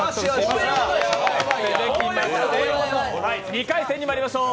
２回戦にまいりましょう。